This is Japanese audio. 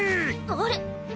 あれ。